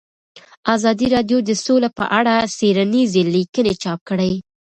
ازادي راډیو د سوله په اړه څېړنیزې لیکنې چاپ کړي.